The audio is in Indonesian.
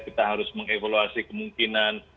kita harus mengevaluasi kemungkinan